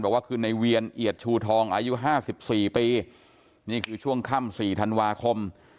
บอกว่าคือในเวียนเอียดชูทองอายุห้าสิบสี่ปีนี่คือช่วงค่ำ๔ธันวาคม